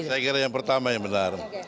saya kira yang pertama yang benar